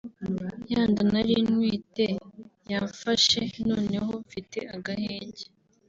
ya nda nari ntwite yamfashe noneho mfite agahenge